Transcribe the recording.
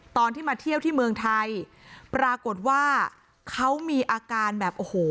ตอนที่มาเที่ยวที่เมืองไทยปรากฏว่าเขามีอาการแบบโอ้โห